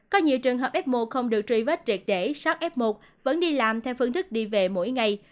có nhiều trường hợp f một không được truy vết triệt để sát f một vẫn đi làm theo phương thức đi về mỗi ngày